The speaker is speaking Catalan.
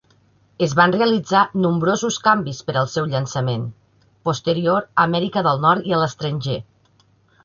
Es van realitzar nombrosos canvis per al seu llançament posterior a Amèrica del Nord i a l'estranger.